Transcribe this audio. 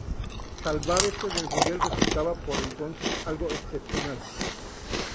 Salvar este desnivel resultaba, por entonces, algo excepcional.